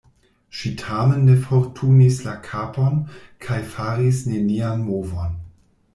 Ŝi tamen ne forturnis la kapon kaj faris nenian movon.